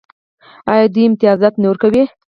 آیا دوی امتیازات نه ورکوي؟